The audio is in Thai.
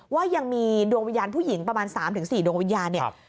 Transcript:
ว่ายังมีดวงวิญญาณผู้หญิงประมาณ๓๔ดวงวิญญาณเนี่ย